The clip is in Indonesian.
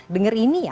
dengar ini ya